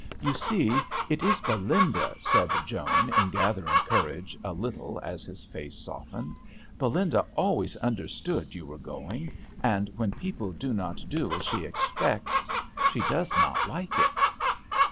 " You see it is Belinda," said Joan, gathering courage a little, as his face softened. Belinda always understood you were going; and when people do not do as she expects, she does not like it."